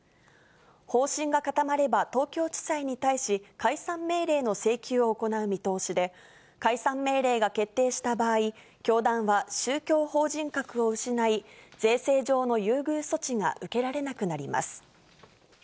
方針が固まれば東京地裁に対し解散命令の請求を行う見通しで、解散命令が決定した場合、教団は宗教法人格を失い、税制上の優遇措置が受けられなくなります。